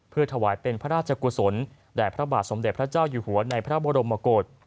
เพื่อถวายเป็นพระราชกุศลแด่พระบาทสมเด็จพระเจ้าอยู่หัวในพระบรมกฏ